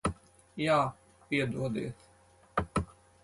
Jā. Piedodiet.